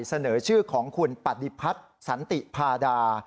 เสนอชื่อของคุณปฏิพัฒน์สันติพาดา